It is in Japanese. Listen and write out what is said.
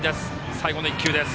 最後の１球です。